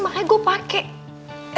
makanya gue pakai